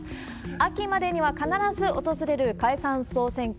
秋までには必ず訪れる解散・総選挙。